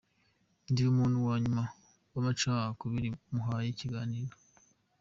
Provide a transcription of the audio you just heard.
Ndi umuntu wa nyuma w’amacakubiri muhaye ikiganiro.